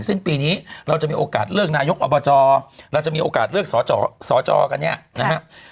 สิ้นปีนี้เราจะมีโอกาสเลือกนายกอบจเราจะมีโอกาสเลือกสอสอกันเนี่ยนะฮะ